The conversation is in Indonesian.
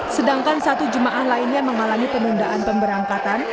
sedangkan satu jemaah lainnya mengalami penundaan pemberangkatan